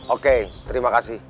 oke terima kasih